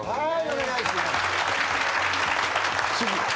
お願いします。